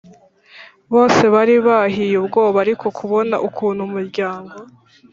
bose bari bahiye ubwoba Ariko kubona ukuntu umuryango